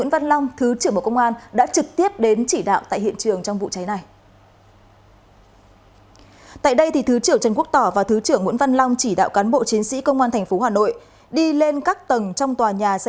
vâng thưa quý vị và các bạn